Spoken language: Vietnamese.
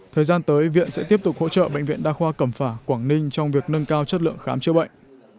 thời gian tới viện sẽ tiếp tục hỗ trợ bệnh viện đa khoa cẩm phả quảng ninh trong việc nâng cao chất lượng khám chữa bệnh